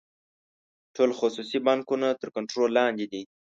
ټول خصوصي بانکونه تر کنټرول لاندې دي.